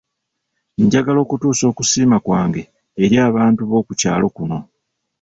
Njagala okutuusa okusiima kwange eri abantu b'okukyalo kuno.